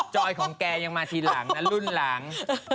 จอยของแกยังมาทีหลังนะรุ่นหลัง